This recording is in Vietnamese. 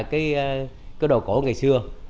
cái đồ cổ ngày xưa